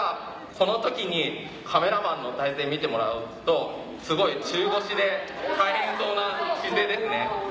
この時にカメラマンの体勢見てもらうとすごい中腰で大変そうな姿勢ですね。